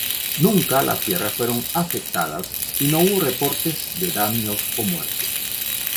Nunca las tierras fueron afectadas, y no hubo reportes de daños o muertes.